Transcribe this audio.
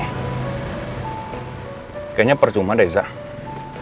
kayaknya percuma deh zain